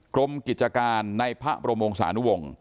กรมกิจการในพระบรมวงศานุวงศ์